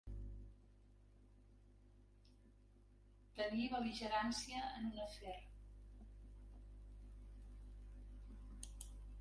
Tenir bel·ligerància en un afer.